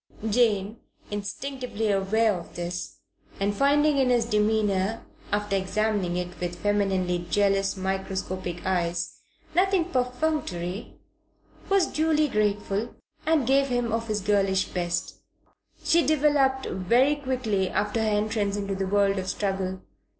Jane, instinctively aware of this, and finding in his demeanour, after examining it with femininely jealous, microscopic eyes, nothing perfunctory, was duly grateful, and gave him of her girlish best. She developed very quickly after her entrance into the world of struggle.